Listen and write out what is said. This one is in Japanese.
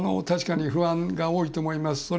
確かに不安が多いと思います。